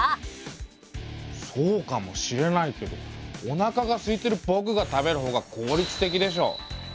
そうかもしれないけどおなかがすいているぼくが食べるほうが効率的でしょ。